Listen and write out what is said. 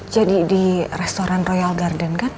jadi di restoran royal garden kan